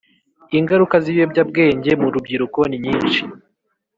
. Ingaruka z’ibiyobyabwenge mu rubyiruko ni nyinshi